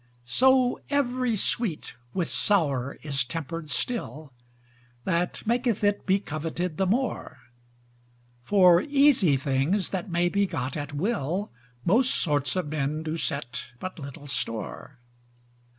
So every sweet with sour is tempered still That maketh it be coveted the more: For easy things that may be got at will, Most sorts of men do set but little store.